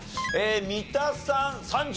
三田さん